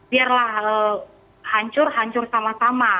biarlah hancur hancur sama sama